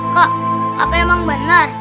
kak apa emang benar